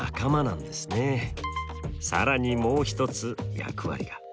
更にもう一つ役割が。